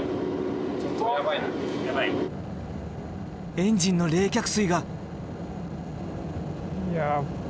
エンジンの冷却水が。